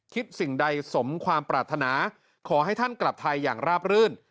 สิ่งใดสมความปรารถนาขอให้ท่านกลับไทยอย่างราบรื่น